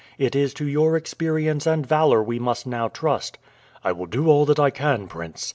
It is to your experience and valor we must now trust." "I will do all that I can, prince.